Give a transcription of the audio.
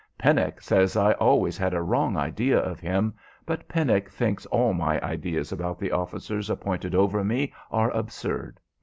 Pennock says I always had a wrong idea of him; but Pennock thinks all my ideas about the officers appointed over me are absurd.